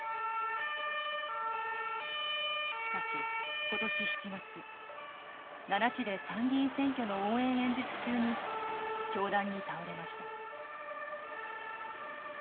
しかし、ことし７月、奈良市で参議院選挙の応援演説中に、凶弾に倒れました。